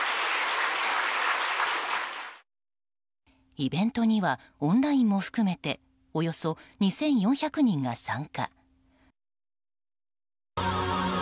イベントにはオンラインも含めておよそ２４００人が参加。